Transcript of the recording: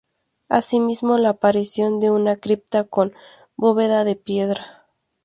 Asimismo la aparición de una cripta con bóveda de piedra.